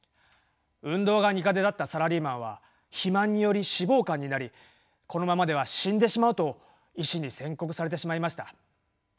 運動が苦手だったサラリーマンは肥満により脂肪肝になりこのままでは死んでしまうと医師に宣告されてしまいました。